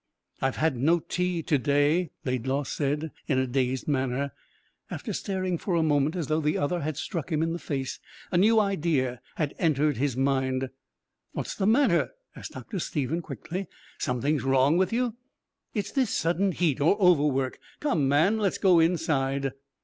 "I've had no tea to day," Laidlaw said, in a dazed manner, after staring for a moment as though the other had struck him in the face. A new idea had entered his mind. "What's the matter?" asked Dr. Stephen quickly. "Something's wrong with you. It's this sudden heat, or overwork. Come, man, let's go inside."